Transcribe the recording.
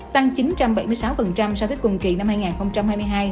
tăng chín trăm bảy mươi sáu so với cùng kỳ năm hai nghìn hai mươi hai